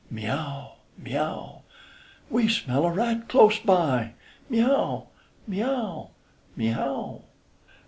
mee ow, mee ow. We smell a rat close by, Mee ow, mee ow, mee ow.